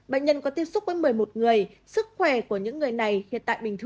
bệnh nhân có tiếp xúc với một mươi một người